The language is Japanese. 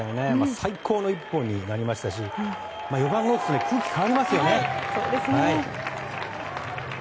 最高の一本になりましたし４番が打つと空気変わりますよね。